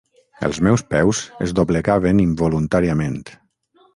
Els meus peus es doblegaven involuntàriament.